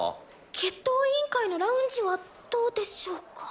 決闘委員会のラウンジはどうでしょうか？